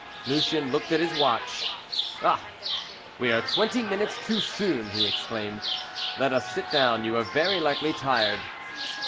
Lucien looked at his watch. "Ah! we are twenty minutes too soon," he exclaimed. "Let us sit down; you are very likely tired."